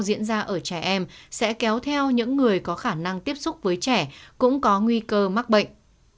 diễn ra ở trẻ em sẽ kéo theo những người có khả năng tiếp xúc với trẻ cũng có nguy cơ mắc bệnh